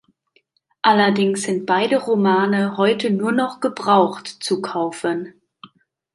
Allerdings sind beide Romane heute nur noch gebraucht zu kaufen.